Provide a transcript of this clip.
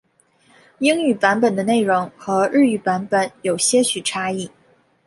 英语版本的内容和日语版本有些许差异。